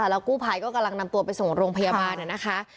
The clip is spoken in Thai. แล้วกู้ภัยก็กำลังนำตัวไปส่งโรงพยาบาลนะคะ